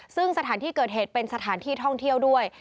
ซึ่งสถานที่เกิดเหตุเป็นสถานที่ท่องเที่ยวด้วย